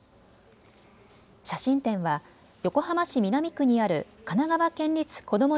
写真展は横浜市南区にある神奈川県立こども